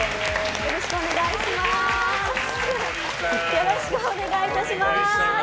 よろしくお願いします。